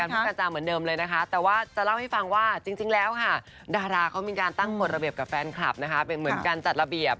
พี่กัญจาเหมือนเดิมเลยนะคะแต่ว่าจะเล่าให้ฟังว่าจริงแล้วค่ะดาราเขามีการตั้งกฎระเบียบกับแฟนคลับนะคะเป็นเหมือนการจัดระเบียบ